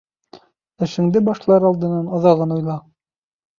Эшеңде башлар алдынан аҙағын уйла.